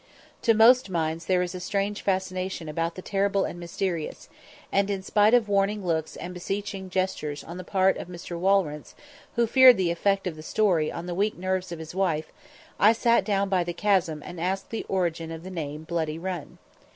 To most minds there is a strange fascination about the terrible and mysterious, and, in spite of warning looks and beseeching gestures on the part of Mr. Walrence, who feared the effect of the story on the weak nerves of his wife, I sat down by the chasm and asked the origin of the name Bloody Run.